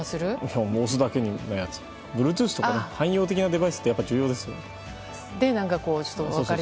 Ｂｌｕｅｔｏｏｔｈとか汎用的なデバイスって重要ですよね。